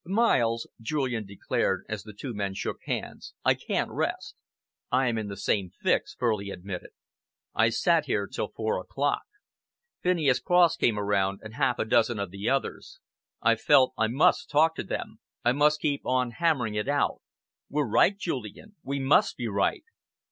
"Miles," Julian declared, as the two men shook hands, "I can't rest." "I am in the same fix," Furley admitted. "I sat here till four o'clock. Phineas Cross came around, and half a dozen of the others. I felt I must talk to them, I must keep on hammering it out. We're right, Julian. We must be right!"